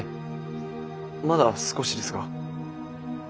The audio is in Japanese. まだ少しですが。